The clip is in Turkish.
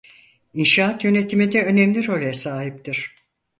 İnşaat yönetimi'nde önemli role sahiptir.